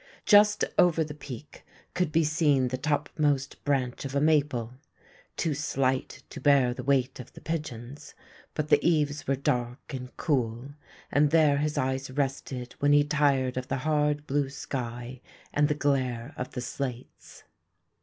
Just over the peak could be seen the topmost branch of a maple, too slight to bear the weight of the pigeons, but the eaves were dark and cool, and there his eyes rested when he tired of the hard blue sky and the glare of the slates.